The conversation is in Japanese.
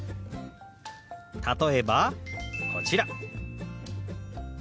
例えばこちら。